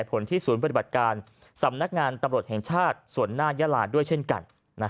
ผลที่ศูนย์ปฏิบัติการสำนักงานตำรวจแห่งชาติส่วนหน้ายาลาด้วยเช่นกัน